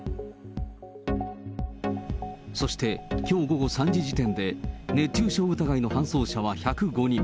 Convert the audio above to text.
そして、きょう午後３時時点で、熱中症疑いの搬送車は１０５人。